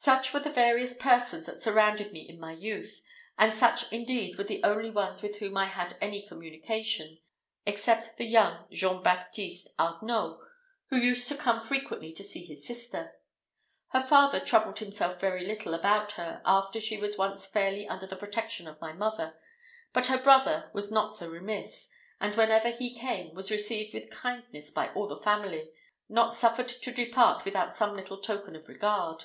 Such were the various persons that surrounded me in my youth; and such indeed were the only ones with whom I had any communication, except the young Jean Baptiste Arnault, who used to come frequently to see his sister. Her father troubled himself very little about her, after she was once fairly under the protection of my mother; but her brother was not so remiss, and, whenever he came, was received with kindness by all the family, nor suffered to depart without some little token of regard.